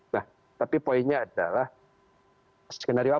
nah tapi poinnya adalah skenario apa